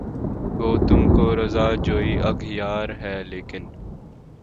گو تم کو رضا جوئیِ اغیار ہے لیکن